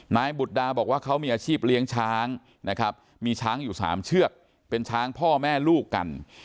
นายบุตรดาบอกว่าเขามีอาชีพเลี้ยงช้างนะครับมีช้างอยู่๓เชือกเป็นช้างพ่อแม่ลูกกัน